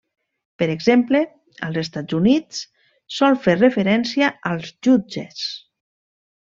Per exemple, als Estats Units sol fer referència als jutges.